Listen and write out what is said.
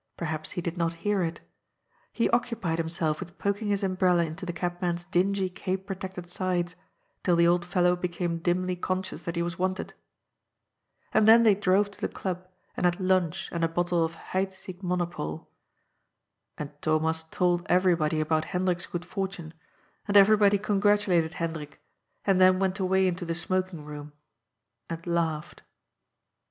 Perhaps he did not hear it. He occupied himself with poking his umbrella into the cabman's dingy cape protected sides, till the old fellow became dimly con scious that he was wanted. And then they drove to the Club and had lunch and a bottle of Heidsieck Monopole. And Thomas told every body about Hendrik's good fortune, and everybody con gratulated Hendrik, and then went away into the smoking room, and laughed.